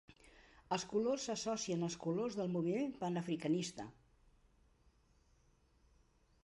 Els colors s'associen al colors del moviment panafricanista.